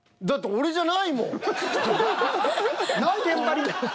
俺じゃないもん。